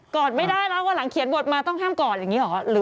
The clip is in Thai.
อดไม่ได้แล้ววันหลังเขียนบทมาต้องห้ามกอดอย่างนี้เหรอ